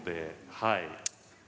はい。